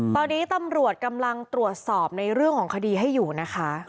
ตอนนี้ตำรวจกำลังตรวจสอบในเรื่องของคดีให้อยู่นะคะ